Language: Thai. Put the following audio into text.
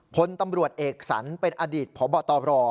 พลตำรวจเอกสรรเป็นอดีตพบตร